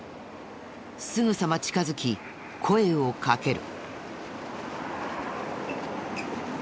すぐさま近づき声をかける。